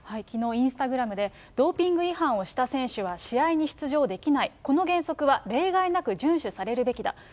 きのう、インスタグラムで、ドーピング違反をした選手は試合に出場できない、この原則は例外なく順守されるべきだ。